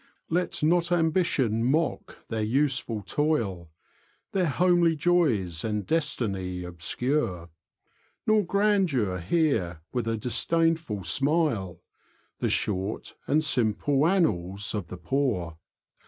Let not ambition mock their useful toil, Their homely joys and destiny obscure ; Nor grandeur hear, with a disdainful smile, The short and simple annals of the poor.